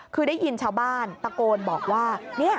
คือได้ยินชาวบ้านตะโกนบอกว่า